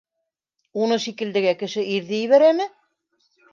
Уны шикелдегә кеше ирҙе ебәрәме?